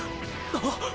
あっ。